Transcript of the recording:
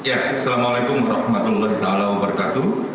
assalamu'alaikum warahmatullahi wabarakatuh